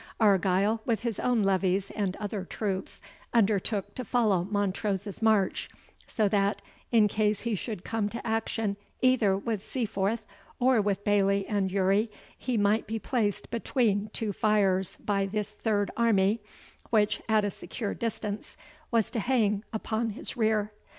Argyle, with his own levies and other troops, undertook to follow Montrose's march; so that, in case he should come to action either with Seaforth, or with Baillie and Urrie, he might be placed between two fires by this third army, which, at a secure distance, was to hang upon his rear.